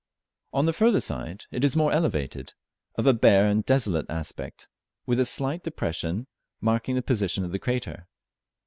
On the further side it is more elevated, of a bare and desolate aspect, with a slight depression marking the position of the crater.